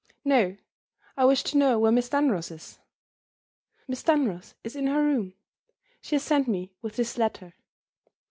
"No. I wish to know where Miss Dunross is." "Miss Dunross is in her room. She has sent me with this letter."